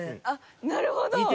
あっなるほど。